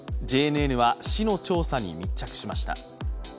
ＪＮＮは市の調査に密着しました。